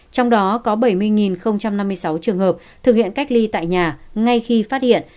trong đó có bảy mươi năm mươi sáu trường hợp thực hiện cách ly tại nhà ngay khi phát hiện